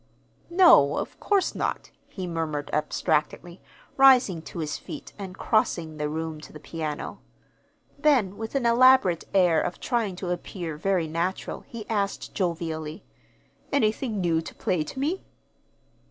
"No, of course not," he murmured abstractedly, rising to his feet and crossing the room to the piano. Then, with an elaborate air of trying to appear very natural, he asked jovially: "Anything new to play to me?"